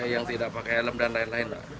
yang tidak pakai helm dan lain lain